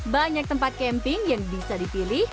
banyak tempat camping yang bisa dipilih